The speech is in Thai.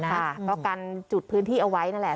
ค่ะก็กันจุดพื้นที่เอาไว้นั่นแหละ